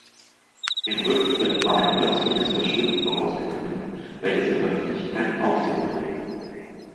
Dem Rücktritt war ein plötzliches Verschwinden vorausgegangen, welches in der Öffentlichkeit Aufsehen erregte.